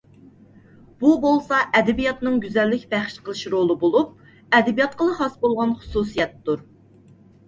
بۇ بولسا ئەدەبىياتنىڭ گۈزەللىك بەخش قىلىش رولى بولۇپ، ئەدەبىياتقىلا خاس بولغان خۇسۇسىيەتتۇر.